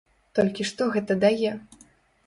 Толькі што гэта дае?